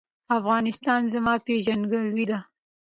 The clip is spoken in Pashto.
افغانستان زما پیژندګلوي ده؟